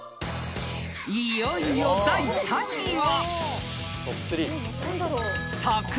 ［いよいよ第３位は］